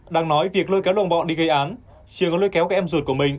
đang nói việc lôi kéo đồng bọn đi gây án chỉ có lôi kéo các em ruột của mình